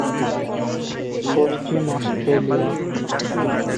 পশ্চিম অস্ট্রেলিয়ার।